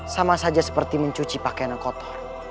sama saja seperti mencuci pakaian yang kotor